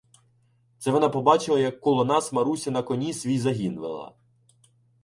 — Це вона побачила, як коло нас Маруся на коні свій загін вела.